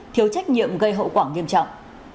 thiếu trách nhiệm gây hậu quả nghiêm trọng